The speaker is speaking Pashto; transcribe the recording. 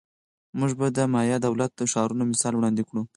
موږ به د مایا دولت ښارونو مثال وړاندې کړو